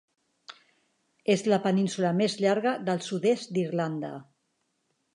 És la península més llarga del sud-est d'Irlanda.